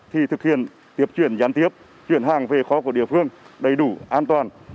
thì thực hiện tiếp chuyển gián tiếp chuyển hàng về kho của địa phương đầy đủ an toàn